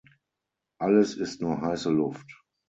Alles ist nur heiße Luft.